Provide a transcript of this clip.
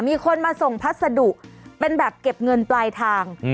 มีคนมาส่งพัสดุเป็นแบบเก็บเงินปลายทาง